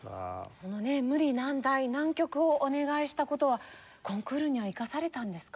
そのね無理難題難曲をお願いした事はコンクールには生かされたんですか？